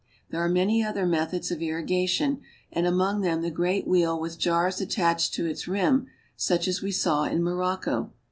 There are many other methods of irrigation, and among em the great wheel with jars attached to its rim, such as s saw in Morocco.